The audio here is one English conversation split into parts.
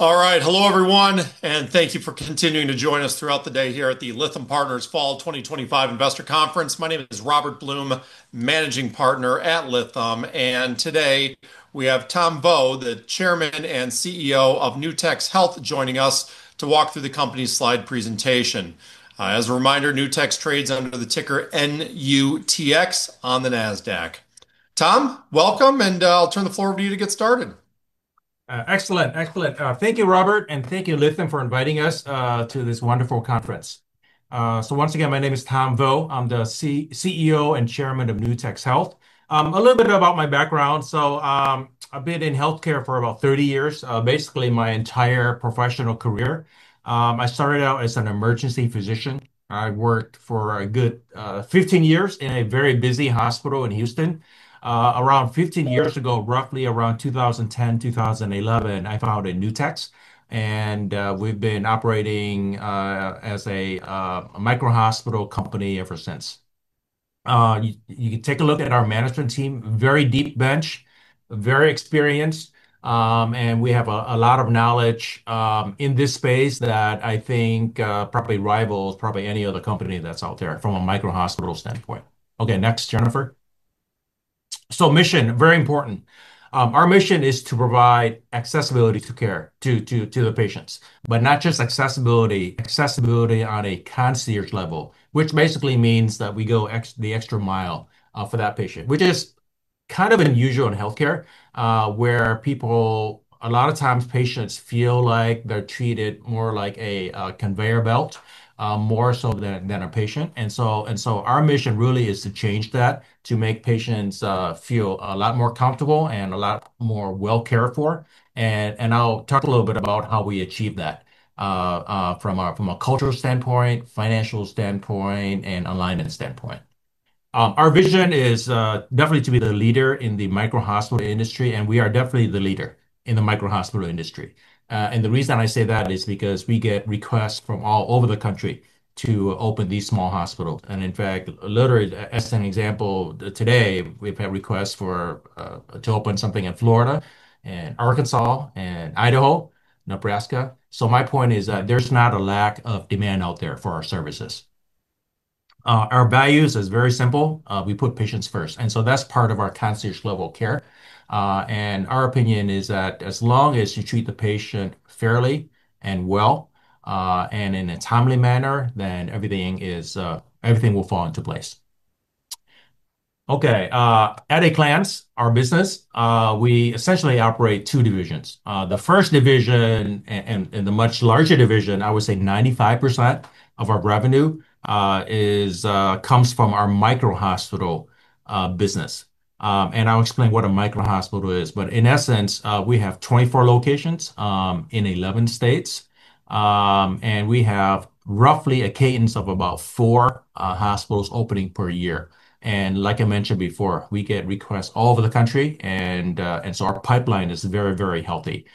All right, hello everyone, and thank you for continuing to join us throughout the day here at the Lytham Partners Fall 2025 Investor Conference. My name is Robert Blum, Managing Partner at Lytham, and today we have Tom Vo, the Chairman and CEO of Nutex Health, joining us to walk through the company's slide presentation. As a reminder, Nutex trades under the ticker NUTX on the NASDAQ. Tom, welcome, and I'll turn the floor over to you to get started. Excellent, excellent. Thank you, Robert, and thank you, Lytham, for inviting us to this wonderful conference. Once again, my name is Tom Vo. I'm the CEO and Chairman of Nutex Health. A little bit about my background. I've been in healthcare for about 30 years, basically my entire professional career. I started out as an emergency physician. I worked for a good 15 years in a very busy hospital in Houston. Around 15 years ago, roughly around 2010, 2011, I founded Nutex, and we've been operating as a micro-hospital company ever since. You can take a look at our management team, very deep bench, very experienced, and we have a lot of knowledge in this space that I think probably rivals probably any other company that's out there from a micro-hospital standpoint. Next, Jennifer. Mission, very important. Our mission is to provide accessibility to care to the patients, but not just accessibility. Accessibility on a concierge level, which basically means that we go the extra mile for that patient, which is kind of unusual in healthcare, where people, a lot of times, patients feel like they're treated more like a conveyor belt, more so than a patient. Our mission really is to change that, to make patients feel a lot more comfortable and a lot more well cared for. I'll talk a little bit about how we achieve that from a cultural standpoint, financial standpoint, and alignment standpoint. Our vision is definitely to be the leader in the micro-hospital industry, and we are definitely the leader in the micro-hospital industry. The reason I say that is because we get requests from all over the country to open these small hospitals. In fact, literally, as an example, today we've had requests to open something in Florida and Arkansas and Idaho, Nebraska. My point is that there's not a lack of demand out there for our services. Our values are very simple. We put patients first, and that's part of our concierge level care. Our opinion is that as long as you treat the patient fairly and well, and in a timely manner, then everything will fall into place. At a glance, our business, we essentially operate two divisions. The first division, and the much larger division, I would say 95% of our revenue comes from our micro-hospital business. I'll explain what a micro-hospital is. In essence, we have 24 locations in 11 states, and we have roughly a cadence of about four hospitals opening per year. Like I mentioned before, we get requests all over the country, and our pipeline is very, very healthy.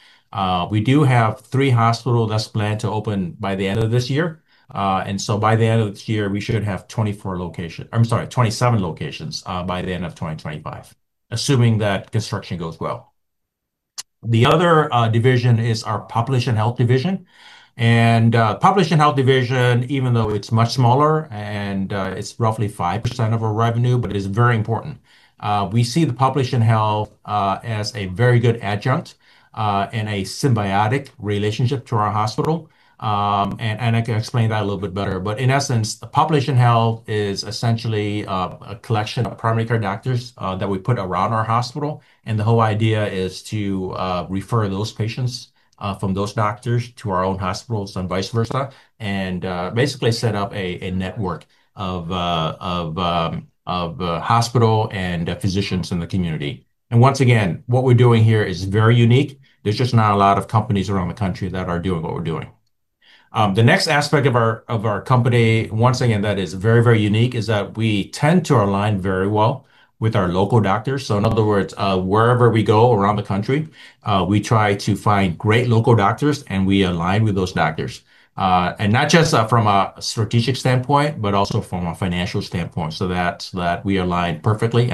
We do have three hospitals planned to open by the end of this year. By the end of this year, we should have 24 locations, I'm sorry, 27 locations by the end of 2025, assuming that construction goes well. The other division is our population health division. The population health division, even though it's much smaller, is roughly 5% of our revenue, but it is very important. We see the population health as a very good adjunct and a symbiotic relationship to our hospital. I can explain that a little bit better. In essence, the population health is essentially a collection of primary care doctors that we put around our hospital. The whole idea is to refer those patients from those doctors to our own hospitals and vice versa, and basically set up a network of hospitals and physicians in the community. Once again, what we're doing here is very unique. There are just not a lot of companies around the country that are doing what we're doing. The next aspect of our company, once again, that is very, very unique, is that we tend to align very well with our local doctors. In other words, wherever we go around the country, we try to find great local doctors, and we align with those doctors. Not just from a strategic standpoint, but also from a financial standpoint, so that we align perfectly.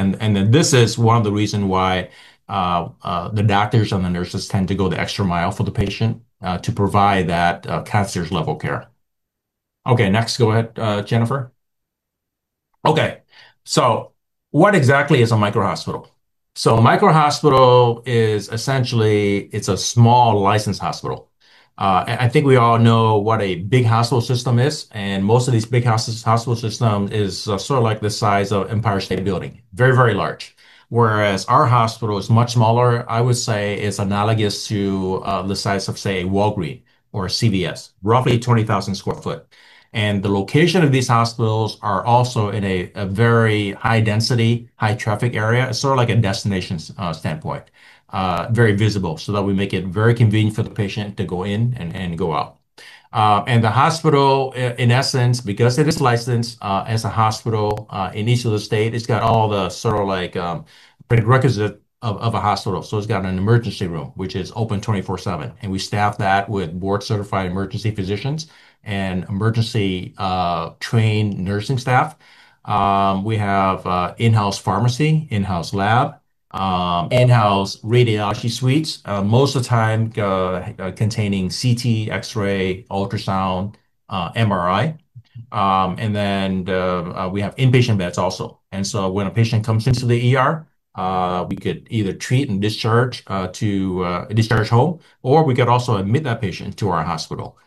This is one of the reasons why the doctors and the nurses tend to go the extra mile for the patient to provide that concierge level care. Okay, next, go ahead, Jennifer. Okay, what exactly is a micro-hospital? A micro-hospital is essentially a small licensed hospital. I think we all know what a big hospital system is, and most of these big hospital systems are sort of like the size of the Empire State Building, very, very large. Our hospital is much smaller. I would say it's analogous to the size of, say, Walgreens or CVS, roughly 20,000 sqft. The location of these hospitals is also in a very high density, high traffic area, sort of like a destination standpoint, very visible, so that we make it very convenient for the patient to go in and go out. The hospital, in essence, because it is licensed as a hospital in each of the states, has all the prerequisites of a hospital. It's got an emergency room, which is open 24/7, and we staff that with board-certified emergency physicians and emergency-trained nursing staff. We have in-house pharmacy, in-house lab, in-house radiology suites, most of the time containing CT, X-ray, ultrasound, MRI. We have inpatient beds also. When a patient comes in, we could either treat and discharge to a discharge home, or we could also admit that patient to our hospital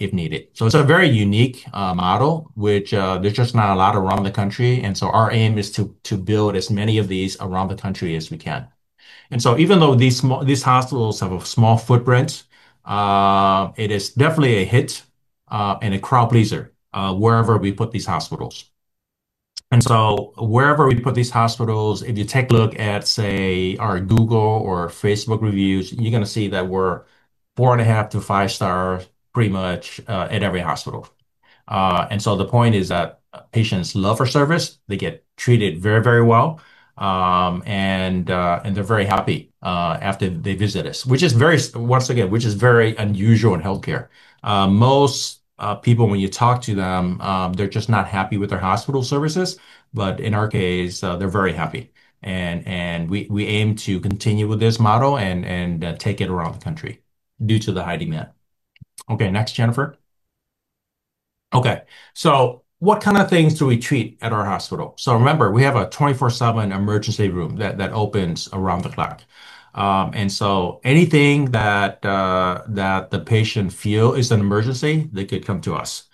if needed. It's a very unique model, which there's just not a lot around the country. Our aim is to build as many of these around the country as we can. Even though these hospitals have a small footprint, it is definitely a hit and a crowd pleaser wherever we put these hospitals. Wherever we put these hospitals, if you take a look at, say, our Google or Facebook reviews, you're going to see that we're four and a half to five stars, pretty much at every hospital. The point is that patients love our service. They get treated very, very well, and they're very happy after they visit us, which is very, once again, which is very unusual in healthcare. Most people, when you talk to them, they're just not happy with their hospital services. In our case, they're very happy. We aim to continue with this model and take it around the country due to the high demand. Okay, next, Jennifer. What kind of things do we treat at our hospital? Remember, we have a 24/7 emergency room that opens around the clock. Anything that the patient feels is an emergency, they could come to us.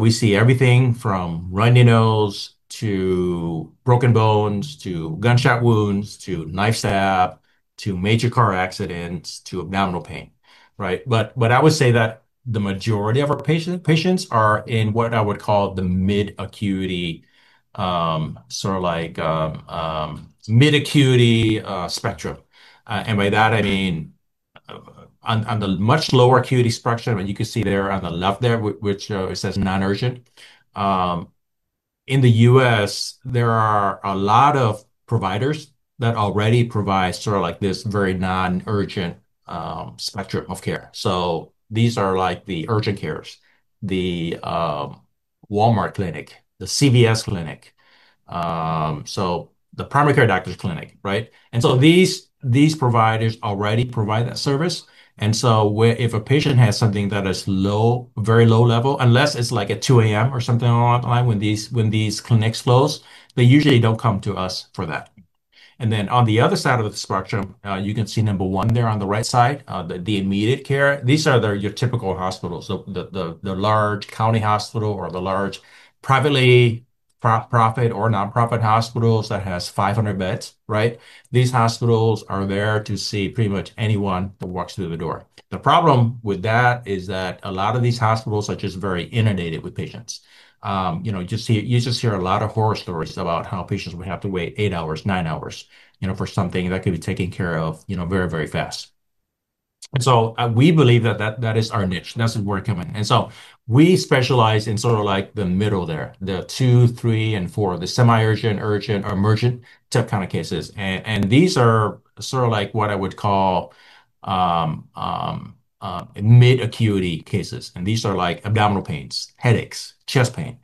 We see everything from runny nose to broken bones to gunshot wounds to knife stab to major car accidents to abdominal pain. I would say that the majority of our patients are in what I would call the mid-acuity, sort of like mid-acuity spectrum. By that, I mean on the much lower acuity spectrum, and you can see there on the left there, which says non-urgent. In the U.S., there are a lot of providers that already provide sort of like this very non-urgent spectrum of care. These are like the urgent cares, the Walmart clinic, the CVS clinic, the primary care doctor's clinic. These providers already provide that service. If a patient has something that is low, very low level, unless it's like a 2:00 A.M. or something along that line, when these clinics close, they usually don't come to us for that. On the other side of the spectrum, you can see number one there on the right side, the immediate care. These are your typical hospitals, the large county hospital or the large privately-profit or nonprofit hospitals that have 500 beds, right? These hospitals are there to see pretty much anyone that walks through the door. The problem with that is that a lot of these hospitals are just very inundated with patients. You hear a lot of horror stories about how patients would have to wait eight hours, nine hours, for something that could be taken care of very, very fast. We believe that that is our niche. That's where we're coming. We specialize in sort of like the middle there, the two, three, and four, the semi-urgent, urgent, or emergent type kind of cases. These are sort of like what I would call mid-acuity cases. These are like abdominal pains, headaches, chest pain,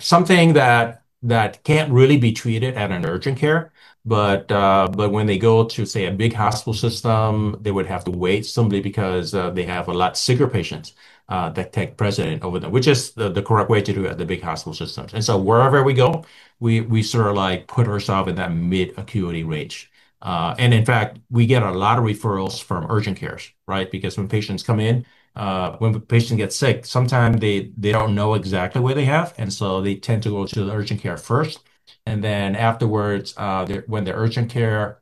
something that can't really be treated at an urgent care. When they go to, say, a big hospital system, they would have to wait simply because they have a lot of sicker patients that take precedent over them, which is the correct way to do it at the big hospital systems. Wherever we go, we sort of like put ourselves in that mid-acuity range. In fact, we get a lot of referrals from urgent cares, right? When patients come in, when patients get sick, sometimes they don't know exactly what they have. They tend to go to the urgent care first. Afterwards, when the urgent care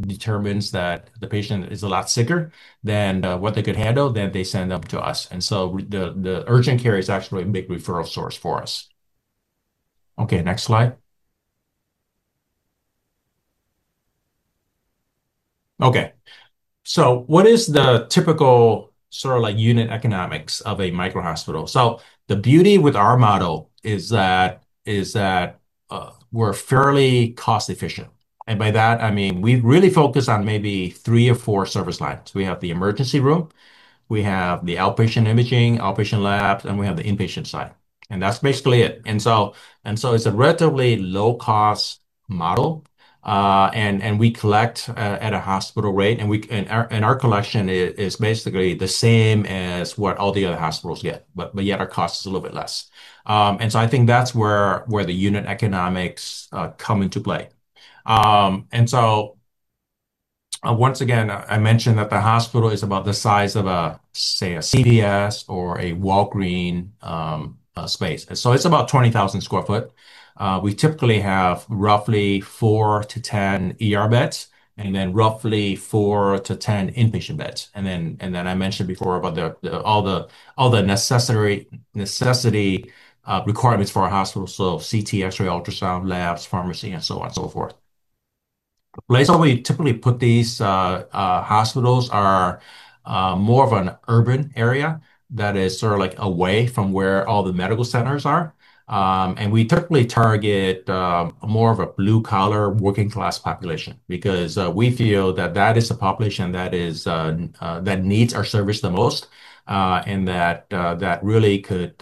determines that the patient is a lot sicker than what they could handle, then they send them to us. The urgent care is actually a big referral source for us. Okay, next slide. What is the typical sort of like unit economics of a micro-hospital? The beauty with our model is that we're fairly cost-efficient. By that, I mean we really focus on maybe three or four service lines. We have the emergency room, we have the outpatient imaging, outpatient labs, and we have the inpatient side. That's basically it. It's a relatively low-cost model. We collect at a hospital rate, and our collection is basically the same as what all the other hospitals get, but yet our cost is a little bit less. I think that's where the unit economics come into play. Once again, I mentioned that the hospital is about the size of a, say, a CVS or a Walgreens space. It's about 20,000 sqft. We typically have roughly four to ten beds, and then roughly 4-10 inpatient beds. I mentioned before about all the necessity requirements for a hospital, so CT, X-ray, ultrasound, labs, pharmacy, and so on and so forth. Places we typically put these hospitals are more of an urban area that is sort of like away from where all the medical centers are. We typically target more of a blue-collar working-class population because we feel that that is the population that needs our service the most and that really could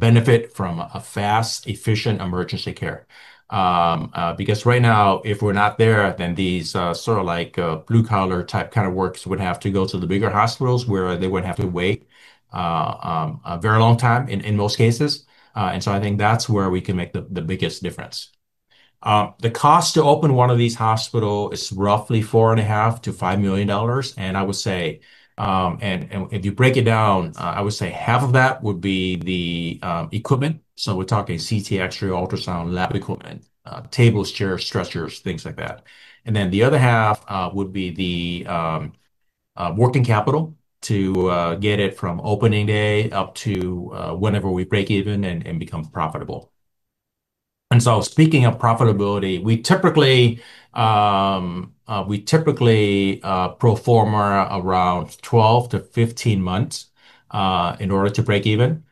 benefit from a fast, efficient emergency care. Right now, if we're not there, then these sort of like blue-collar type kind of works would have to go to the bigger hospitals where they would have to wait a very long time in most cases. I think that's where we can make the biggest difference. The cost to open one of these hospitals is roughly $4.5 million-$5 million. If you break it down, I would say half of that would be the equipment. We're talking CT, X-ray, ultrasound, lab equipment, tables, chairs, stretchers, things like that. The other half would be the working capital to get it from opening day up to whenever we break even and become profitable. Speaking of profitability, we typically pro forma around 12-15 months in order to break even.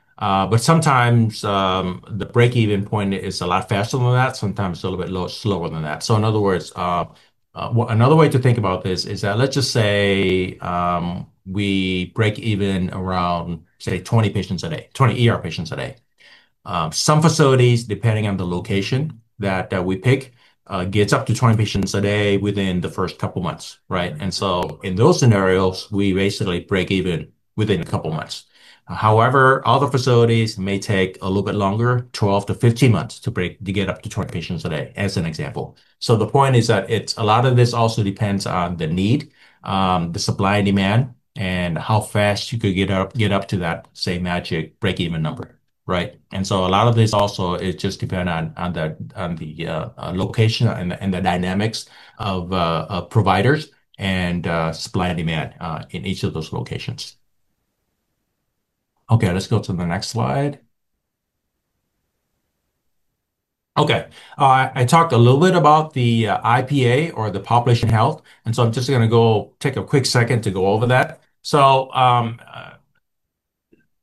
Sometimes the break-even point is a lot faster than that. Sometimes it's a little bit slower than that. In other words, another way to think about this is that let's just say we break even around, say, 20 patients a day, 20 patients a day. Some facilities, depending on the location that we pick, get up to 20 patients a day within the first couple of months, right? In those scenarios, we basically break even within a couple of months. However, other facilities may take a little bit longer, 12-15 months, to get up to 20 patients a day, as an example. The point is that a lot of this also depends on the need, the supply and demand, and how fast you could get up to that, say, magic break-even number, right? A lot of this also just depends on the location and the dynamics of providers and supply and demand in each of those locations. Okay, let's go to the next slide. I talked a little bit about the IPA or the population health. I'm just going to take a quick second to go over that.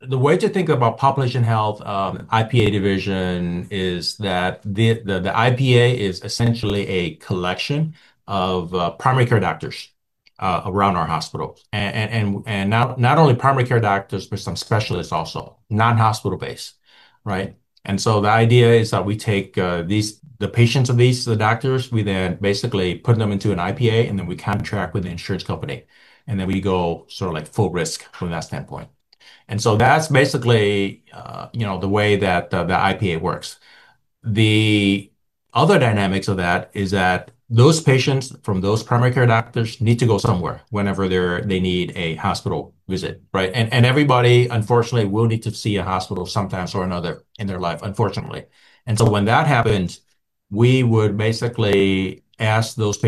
The way to think about population health, IPA division, is that the IPA is essentially a collection of primary care doctors around our hospital. Not only primary care doctors, but some specialists also, non-hospital-based, right? The idea is that we take the patients of these doctors, we then basically put them into an IPA, and then we contract with the insurance company. We go sort of like full risk from that standpoint. That's basically the way that the IPA works. The other dynamics of that is that those patients from those primary care doctors need to go somewhere whenever they need a hospital visit, right? Everybody, unfortunately, will need to see a hospital sometimes or another in their life, unfortunately. When that happens, we would basically ask those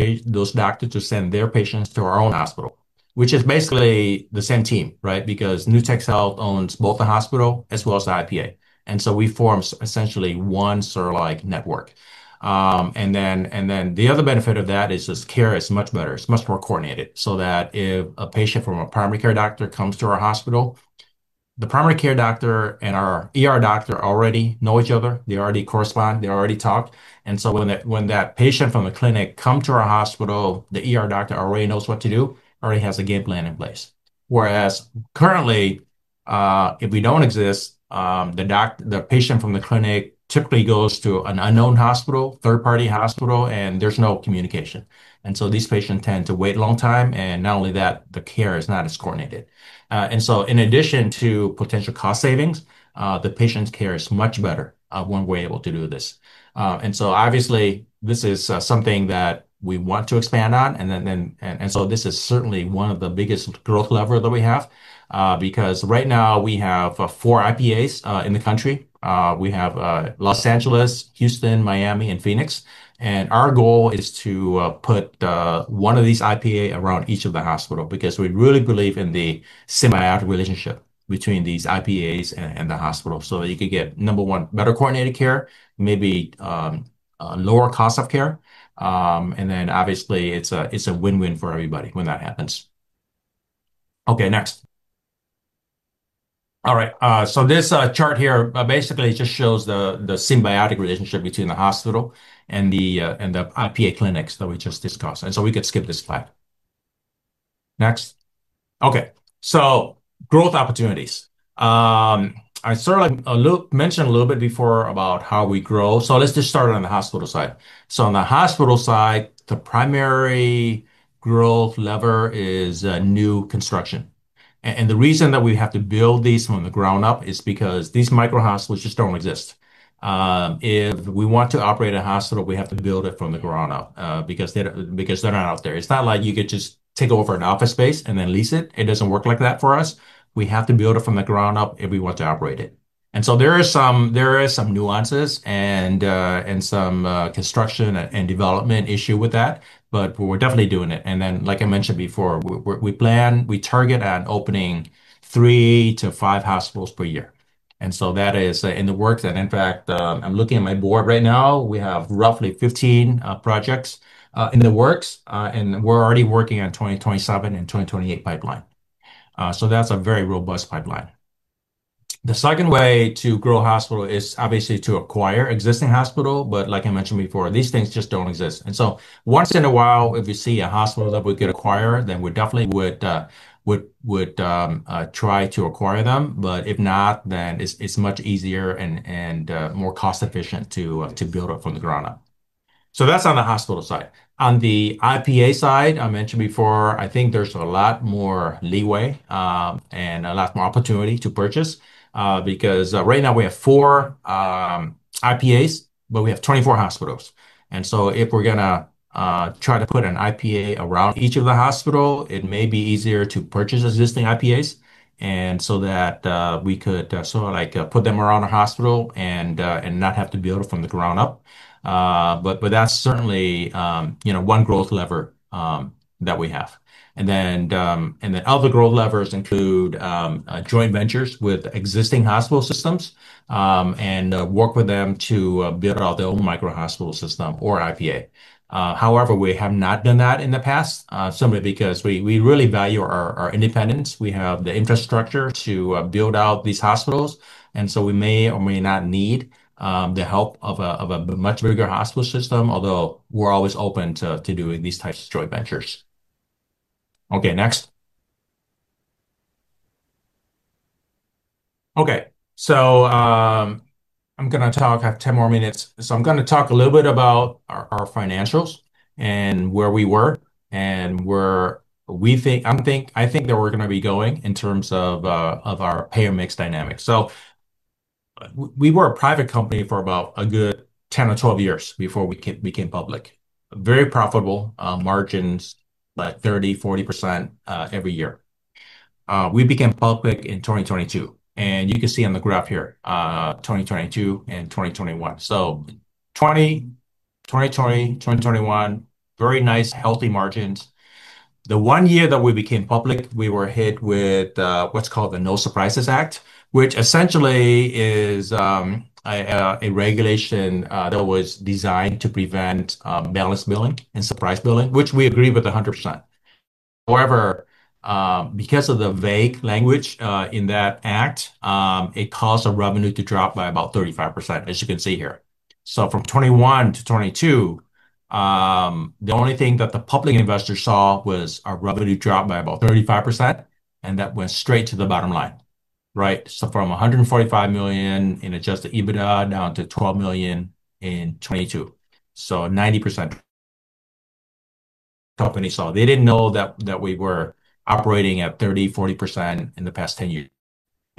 doctors to send their patients to our own hospital, which is basically the same team, right? Nutex Health owns both the hospital as well as the IPA. We form essentially one sort of like network. The other benefit of that is this care is much better. It's much more coordinated so that if a patient from a primary care doctor comes to our hospital, the primary care doctor and our doctor already know each other. They already correspond. They already talk. When that patient from the clinic comes to our hospital, the doctor already knows what to do, already has a game plan in place. Whereas currently, if we don't exist, the patient from the clinic typically goes to an unknown hospital, third-party hospital, and there's no communication. These patients tend to wait a long time, and not only that, the care is not as coordinated. In addition to potential cost savings, the patient's care is much better when we're able to do this. Obviously, this is something that we want to expand on. This is certainly one of the biggest growth levers that we have because right now we have four IPAs in the country. We have Los Angeles, Houston, Miami, and Phoenix. Our goal is to put one of these IPAs around each of the hospitals because we really believe in the symbiotic relationship between these IPAs and the hospital. You could get, number one, better coordinated care, maybe a lower cost of care, and obviously it's a win-win for everybody when that happens. Okay, next. All right, this chart here basically just shows the symbiotic relationship between the hospital and the IPA clinics that we just discussed. We could skip this slide. Next. Growth opportunities. I sort of mentioned a little bit before about how we grow. Let's just start on the hospital side. On the hospital side, the primary growth lever is new construction. The reason that we have to build these from the ground up is because these micro-hospitals just don't exist. If we want to operate a hospital, we have to build it from the ground up because they're not out there. It's not like you could just take over an office space and then lease it. It doesn't work like that for us. We have to build it from the ground up if we want to operate it. There are some nuances and some construction and development issues with that, but we're definitely doing it. Like I mentioned before, we plan, we target on opening three to five hospitals per year. That is in the works. In fact, I'm looking at my board right now. We have roughly 15 projects in the works, and we're already working on the 2027 and 2028 pipeline. That's a very robust pipeline. The second way to grow a hospital is obviously to acquire an existing hospital, but like I mentioned before, these things just don't exist. Once in a while, if you see a hospital that we could acquire, then we definitely would try to acquire them. If not, then it's much easier and more cost-efficient to build it from the ground up. That's on the hospital side. On the IPA side, I mentioned before, I think there's a lot more leeway and a lot more opportunity to purchase because right now we have four IPAs, but we have 24 hospitals. If we're going to try to put an IPA around each of the hospitals, it may be easier to purchase existing IPAs so that we could sort of like put them around the hospital and not have to build it from the ground up. That's certainly one growth lever that we have. Other growth levers include joint ventures with existing hospital systems and work with them to build out their own micro-hospital system or IPA. However, we have not done that in the past, simply because we really value our independence. We have the infrastructure to build out these hospitals. We may or may not need the help of a much bigger hospital system, although we're always open to doing these types of joint ventures. Next. Okay, so I'm going to talk 10 more minutes. I'm going to talk a little bit about our financials and where we were and where we think, I think that we're going to be going in terms of our payer mix dynamics. We were a private company for about a good 10 or 12 years before we became public. Very profitable margins, like 30%, 40% every year. We became public in 2022. You can see on the graph here, 2022 and 2021. 2020, 2021, very nice, healthy margins. The one year that we became public, we were hit with what's called the No Surprises Act, which essentially is a regulation that was designed to prevent malice billing and surprise billing, which we agree with 100%. However, because of the vague language in that act, it caused our revenue to drop by about 35%, as you can see here. From 2021 to 2022, the only thing that the public investors saw was our revenue dropped by about 35%, and that went straight to the bottom line, right? From $145 million in adjusted EBITDA down to $12 million in 2022. 90%. Companies saw, they didn't know that we were operating at 30%, 40% in the past 10 years.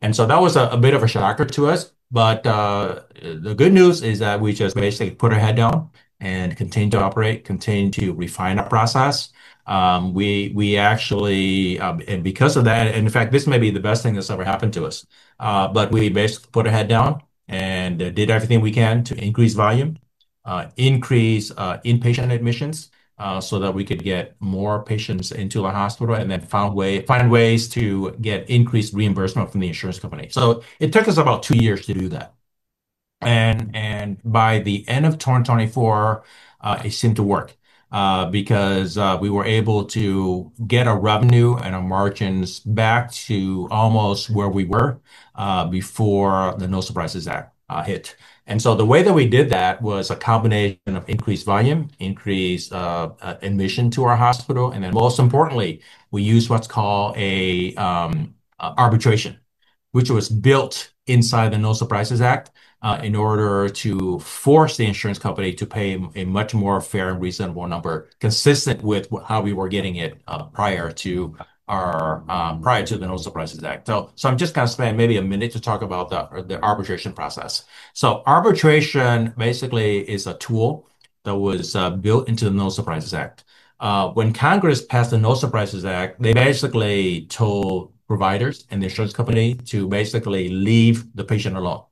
That was a bit of a shocker to us. The good news is that we just basically put our head down and continued to operate, continued to refine that process. We actually, and because of that, and in fact, this may be the best thing that's ever happened to us, we basically put our head down and did everything we can to increase volume, increase inpatient admissions so that we could get more patients into the hospital and then find ways to get increased reimbursement from the insurance company. It took us about two years to do that. By the end of 2024, it seemed to work because we were able to get our revenue and our margins back to almost where we were before the No Surprises Act hit. The way that we did that was a combination of increased volume, increased admission to our hospital, and then most importantly, we used what's called an arbitration, which was built inside the No Surprises Act in order to force the insurance company to pay a much more fair and reasonable number, consistent with how we were getting it prior to the No Surprises Act. I'm just going to spend maybe a minute to talk about the arbitration process. Arbitration basically is a tool that was built into the No Surprises Act. When Congress passed the No Surprises Act, they basically told providers and the insurance company to basically leave the patient alone.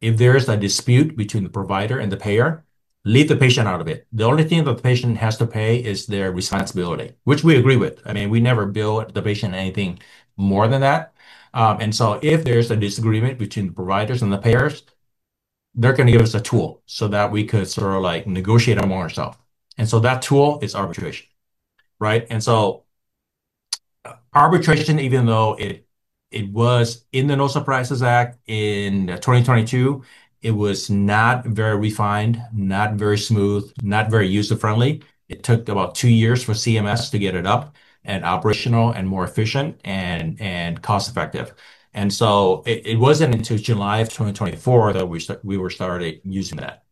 If there is a dispute between the provider and the payer, leave the patient out of it. The only thing that the patient has to pay is their responsibility, which we agree with. I mean, we never bill the patient anything more than that. If there's a disagreement between the providers and the payers, they're going to give us a tool so that we could sort of like negotiate among ourselves. That tool is arbitration, right? Arbitration, even though it was in the No Surprises Act in 2022, was not very refined, not very smooth, not very user-friendly. It took about two years for CMS to get it up and operational and more efficient and cost-effective. It wasn't until July of 2024 that we started using that.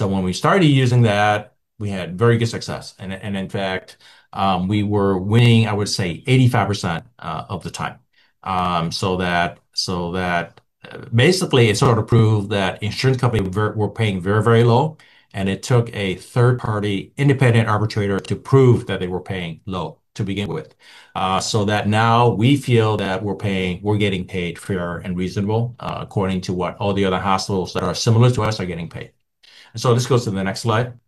When we started using that, we had very good success. In fact, we were winning, I would say, 85% of the time. That basically sort of proved that insurance companies were paying very, very low. It took a third-party independent arbitrator to prove that they were paying low to begin with. Now we feel that we're getting paid fair and reasonable according to what all the other hospitals that are similar to us are getting paid. Let's go to the next slide.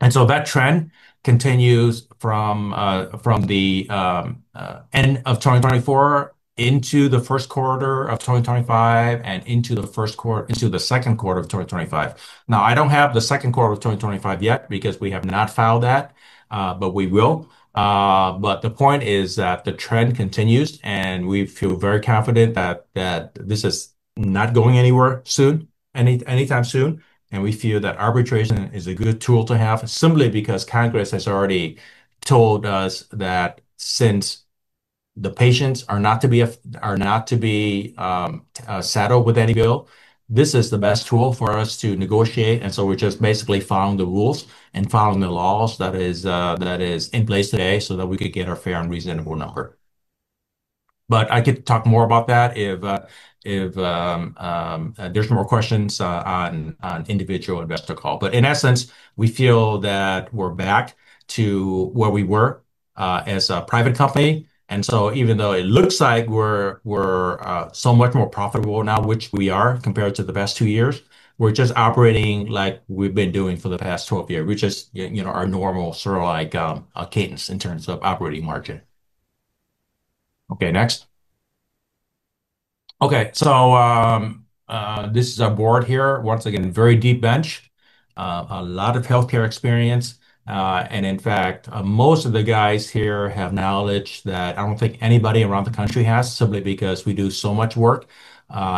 That trend continues from the end of 2024 into the first quarter of 2025 and into the first quarter into the second quarter of 2025. I don't have the second quarter of 2025 yet because we have not filed that, but we will. The point is that the trend continues, and we feel very confident that this is not going anywhere anytime soon. We feel that arbitration is a good tool to have simply because Congress has already told us that since the patients are not to be saddled with any bill, this is the best tool for us to negotiate. We're just basically following the rules and following the laws that are in place today so that we could get a fair and reasonable number. I could talk more about that if there's more questions on an individual investor call. In essence, we feel that we're back to where we were as a private company. Even though it looks like we're so much more profitable now, which we are compared to the past two years, we're just operating like we've been doing for the past 12 years, which is, you know, our normal sort of like cadence in terms of operating margin. Okay, next. Okay, so this is our board here. Once again, very deep bench, a lot of healthcare experience. In fact, most of the guys here have knowledge that I don't think anybody around the country has simply because we do so much work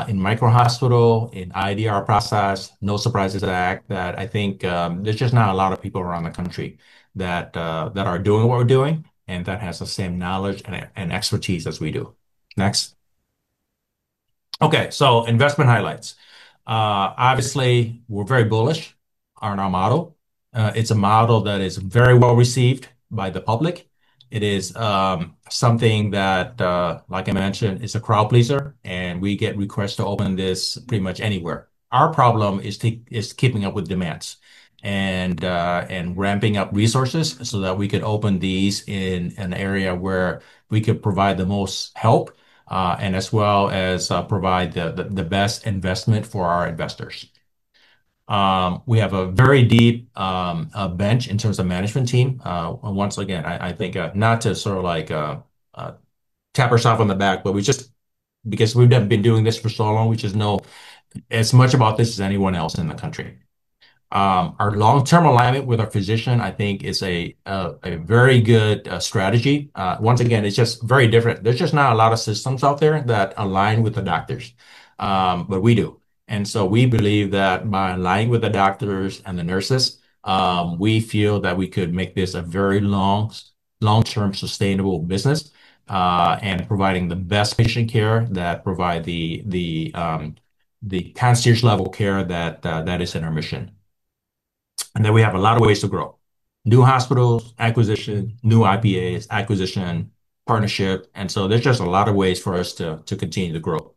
in micro-hospitals, in the arbitration process, No Surprises Act, that I think there's just not a lot of people around the country that are doing what we're doing and that have the same knowledge and expertise as we do. Next. Okay, so investment highlights. Obviously, we're very bullish on our model. It's a model that is very well received by the public. It is something that, like I mentioned, is a crowd pleaser, and we get requests to open this pretty much anywhere. Our problem is keeping up with demands and ramping up resources so that we could open these in an area where we could provide the most help as well as provide the best investment for our investors. We have a very deep bench in terms of management team. I think not to sort of tap ourselves on the back, but because we've been doing this for so long, we just know as much about this as anyone else in the country. Our long-term alignment with our physicians, I think, is a very good strategy. It is just very different. There's just not a lot of systems out there that align with the doctors, but we do. We believe that by aligning with the doctors and the nurses, we feel that we could make this a very long-term sustainable business and provide the best patient care that provides the concierge level care that is in our mission. We have a lot of ways to grow: new hospital acquisition, new Independent Physician Associations, acquisition, partnership. There are just a lot of ways for us to continue to grow.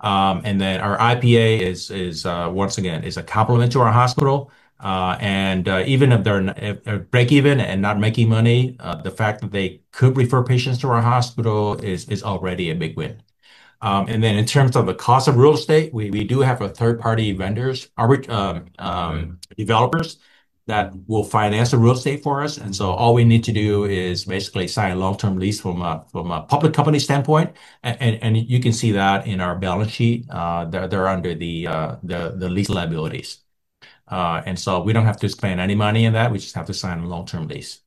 Our Independent Physician Association is, once again, a complement to our hospital. Even if they're break-even and not making money, the fact that they could refer patients to our hospital is already a big win. In terms of the cost of real estate, we do have a third-party vendor, our developers that will finance the real estate for us. All we need to do is basically sign a long-term lease from a public company standpoint. You can see that in our balance sheet. They're under the lease liabilities. We don't have to spend any money on that. We just have to sign a long-term lease.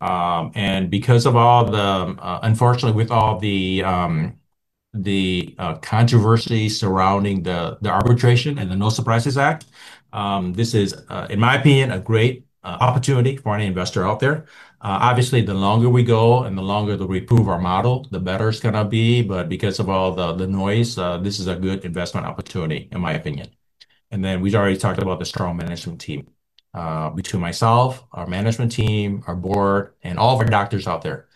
Because of all the, unfortunately, controversy surrounding the arbitration process and the No Surprises Act, this is, in my opinion, a great opportunity for any investor out there. Obviously, the longer we go and the longer that we prove our model, the better it's going to be. Because of all the noise, this is a good investment opportunity, in my opinion. We already talked about the strong management team between myself, our management team, our board, and all of our doctors out there.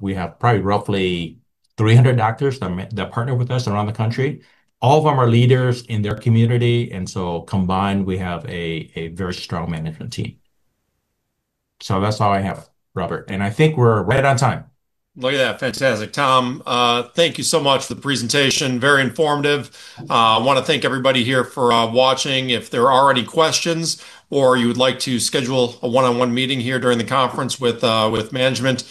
We have probably roughly 300 doctors that partner with us around the country. All of them are leaders in their community. Combined, we have a very strong management team. That's all I have, Robert. I think we're right on time. Look at that. Fantastic. Tom, thank you so much for the presentation. Very informative. I want to thank everybody here for watching. If there are any questions or you would like to schedule a one-on-one meeting here during the conference with management,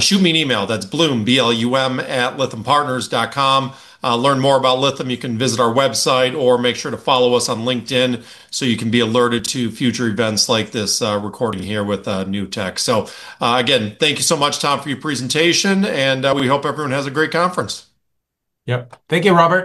shoot me an email. That's blum@Lythampartners.com. Learn more about Lytham. You can visit our website or make sure to follow us on LinkedIn so you can be alerted to future events like this recording here with Nutex. Again, thank you so much, Tom, for your presentation. We hope everyone has a great conference. Yep. Thank you, Robert.